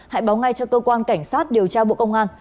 hãy báo ngay cho cơ quan cảnh sát điều tra bộ công an